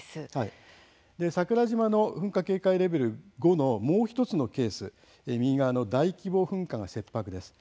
桜島の噴火警戒レベル５のもう１つのケース右側の、大規模噴火が切迫です。